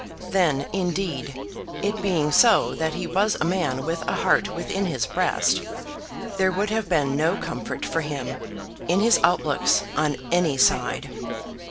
Then, indeed, it being so that he was a man with a heart within his breast, there would have been no comfort for him, in his outlooks on any side.